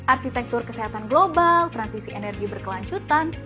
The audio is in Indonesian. arsitektur kesehatan global transisi energi berkelanjutan